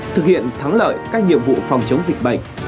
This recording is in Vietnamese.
thực hiện thắng lợi các nhiệm vụ phòng chống dịch bệnh